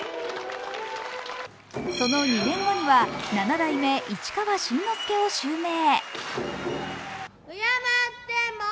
その２年後には七代目市川新之助を襲名。